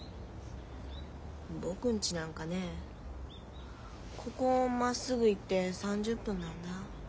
僕んちなんかねここまっすぐ行って３０分なんだ。